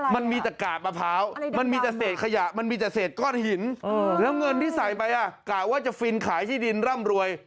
มันมีแต่กาดมะพร้าวมันมีแต่เศษขยะมันมีแต่เศษก้อนหินแล้วเงินที่ใส่ไปกะว่าจะฟินขายที่ดินร่ำรวย